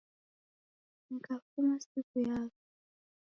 Nikafuma siw'uyagha!